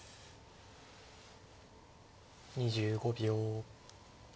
２５秒。